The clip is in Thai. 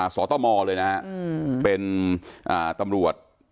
สตมเลยนะฮะเป็นตำรวจ